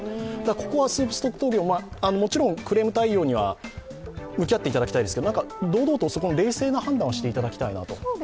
ここはスープストックトーキョー、もちろんクレーム対応には向き合っていただきたいですけど堂々と冷静な判断をしていただきたいなと。